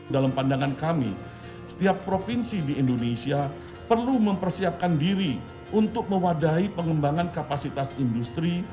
dalam pandangan kami setiap provinsi di indonesia perlu mempersiapkan diri untuk mewadahi pengembangan kapasitas industri